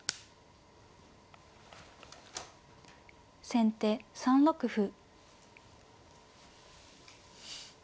先手３六歩。